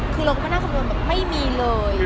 คือเราก็มันน่ากลัวแบบไม่มีเลย